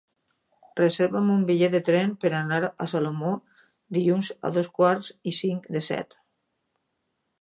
Reserva'm un bitllet de tren per anar a Salomó dilluns a dos quarts i cinc de set.